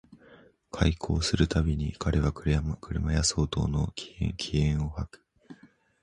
邂逅する毎に彼は車屋相当の気焔を吐く